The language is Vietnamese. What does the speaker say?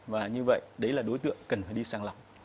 và như vậy đấy là đối tượng cần phải đi sang lọc